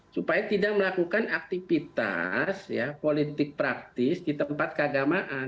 supaya tidak melakukan aktivitas politik praktis di tempat keagamaan